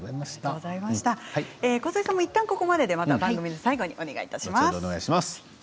こづえさんもいったんここまでで番組の最後にお願いします。